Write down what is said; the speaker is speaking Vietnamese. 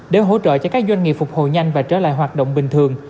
để hỗ trợ cho các doanh nghiệp phục hồi nhanh và trở lại hoạt động bình thường